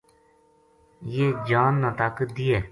یہ جان نا طاقت دیئے